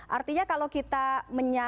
artinya kalau kita menyebutnya